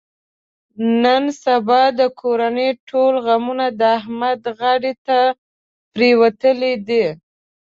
نن سبا د کورنۍ ټول غمونه د احمد غاړې ته پرېوتلي دي.